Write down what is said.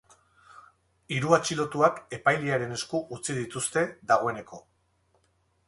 Hiru atxilotuak epailearen esku utzi dituzte dagoeneko.